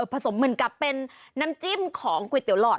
สมเหมือนกับเป็นน้ำจิ้มของก๋วยเตี๋หลอด